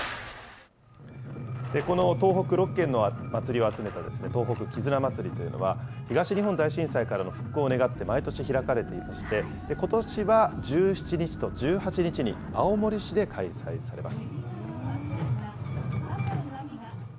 この東北６県の祭りを集めた東北絆まつりというのは、東日本大震災からの復興を願って、毎年開かれていまして、ことしは１７日と１８日に、青森市で開催されます。